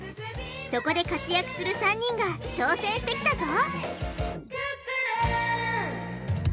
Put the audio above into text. そこで活躍する３人が挑戦してきたぞ！